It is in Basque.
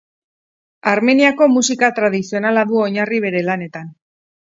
Armeniako musika tradizionala du oinarri bere lanetan.